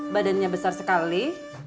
badannya besar sekali